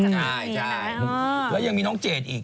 ใช่แล้วยังมีน้องเจดอีก